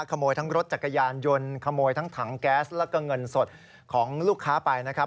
ขโมยทั้งรถจักรยานยนต์ขโมยทั้งถังแก๊สแล้วก็เงินสดของลูกค้าไปนะครับ